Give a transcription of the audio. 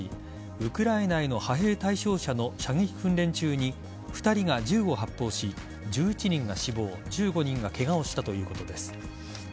ウクライナへの派兵対象者の射撃訓練中に２人が銃を発砲し１１人が死亡１５人がケガをしたということです。